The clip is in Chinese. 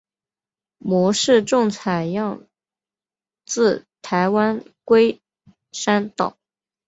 模式种采样自台湾龟山岛。